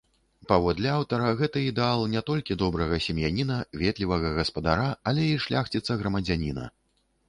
Паводле аўтара, гэта ідэал не толькі добрага сем'яніна, ветлівага гаспадара, але і шляхціца-грамадзяніна.